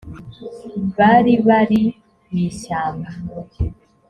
baribari mwishyamba